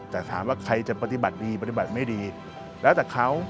แต่ถามว่าใครจะปฏิบัติดีปฏิบัติไม่ดีแล้วแต่เขา